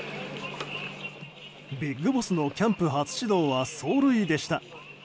ビッグボスのキャンプ初指導は走塁でした。